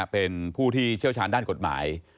เป็นผู้ที่เชี่ยวชาญด้านกฎหมาย